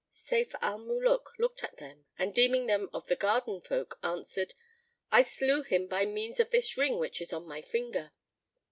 Sayf al Muluk looked at them and deeming them of the gardenfolk, answered, "I slew him by means of this ring which is on my finger."